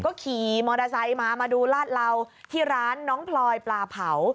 ก็ขี่มอเตอร์ไซค์มามาดูลาดเหลาที่ร้านน้องพลอยปลาเผา